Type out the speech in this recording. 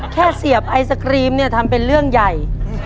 เสียบไอศครีมเนี่ยทำเป็นเรื่องใหญ่